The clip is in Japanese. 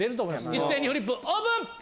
一斉にフリップオープン！